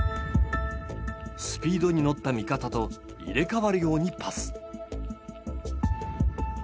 スピードに乗った味方と入れ代わるようにパス。